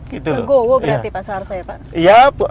legowo berarti pak saharso ya pak